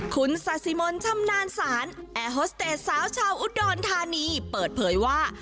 คุณซาซิมนต์ชำนาญศาลแอร์โฮสเตจสาวชาวอุดรธานีเปิดเผยว่า